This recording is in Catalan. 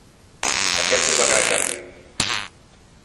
Aquest és el gran canvi.